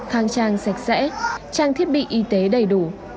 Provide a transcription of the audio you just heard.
khang trang sạch sẽ trang thiết bị y tế đầy đủ